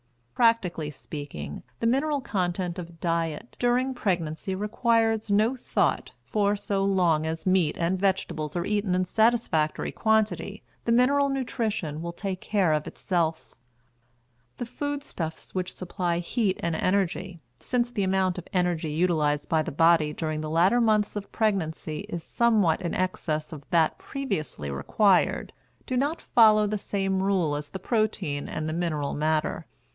Practically speaking, the mineral content of diet during pregnancy requires no thought, for so long as meat and vegetables are eaten in satisfactory quantity the mineral nutrition will take care of itself. The food stuffs which supply heat and energy, since the amount of energy utilized by the body during the latter months of pregnancy is somewhat in excess of that previously required, do not follow the same rule as the protein and the mineral matter.